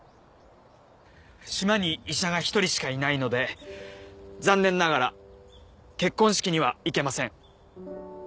「島に医者が一人しかいないので残念ながら結婚式には行けません」